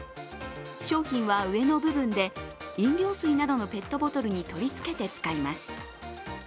商品は上の部分で、飲料水などのペットボトルに取りつけて使います。